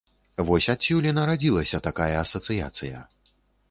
Вось адсюль і нарадзілася такая асацыяцыя.